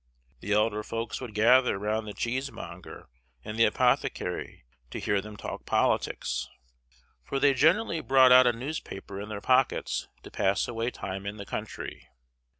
The elder folks would gather round the cheesemonger and the apothecary to hear them talk politics, for they generally brought out a newspaper in their pockets to pass away time in the country.